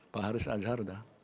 pak haris azhar